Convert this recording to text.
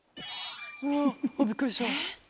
うわびっくりした。